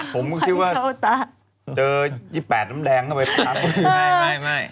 ผมก็คิดว่าเจอ๒๘น้ำแดงเข้าไปปั๊บ